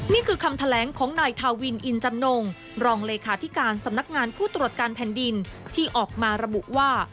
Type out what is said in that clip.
นี่คือคำแถลงของนายทาวินอินจำนงรองเลขาธิการสำนักงานผู้ตรวจการแผ่นดินที่ออกมาระบุว่า